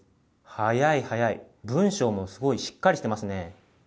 速い速い、文章もすごいしっかりしていますね。